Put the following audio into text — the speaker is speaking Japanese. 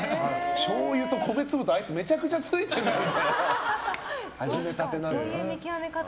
しょうゆと米粒とあいつめちゃくちゃついてるって。